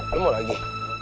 lo mau lagi